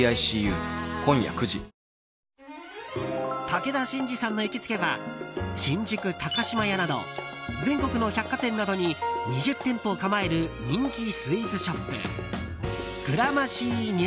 武田真治さんの行きつけは新宿高島屋など全国の百貨店などに２０店舗を構える人気スイーツショップＧＲＡＭＥＲＣＹＮＥＷＹＯＲＫ。